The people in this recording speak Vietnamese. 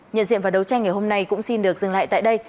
nhận diện và đấu tranh ngày hôm nay cũng xin được dừng lại tại đây